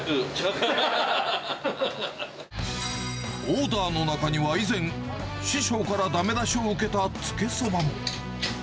オーダーの中には、以前、師匠からだめ出しを受けたつけそばも。